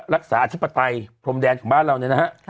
รักษาอธิปไตยพรมแดนของบ้านเราเนี่ยนะฮะ